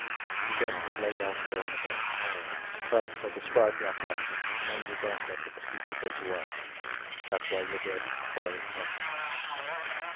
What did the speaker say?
The condemned is laid out here on the bed. First, I'll describe the apparatus and only then let the procedure go to work. That way you'll be able to follow it better.